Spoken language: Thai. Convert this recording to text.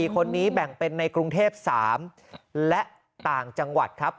๔คนนี้แบ่งเป็นในกรุงเทพ๓และต่างจังหวัดครับ